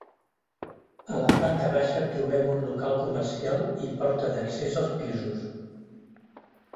A la planta baixa, trobem un local comercial i porta d'accés als pisos.